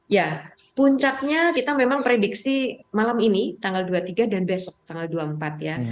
ya puncaknya kita memang prediksi malam ini tanggal dua puluh tiga dan besok tanggal dua puluh empat ya